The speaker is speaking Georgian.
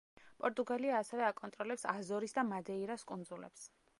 პორტუგალია ასევე აკონტროლებს აზორის და მადეირას კუნძულებს.